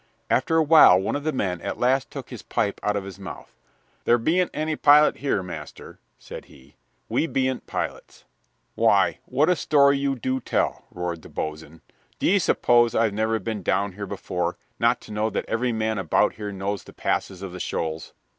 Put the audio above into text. After a while one of the men at last took his pipe out of his mouth. "There ben't any pilot here, master," said he; "we ben't pilots." "Why, what a story you do tell!" roared the boatswain. "D'ye suppose I've never been down here before, not to know that every man about here knows the passes of the shoals?"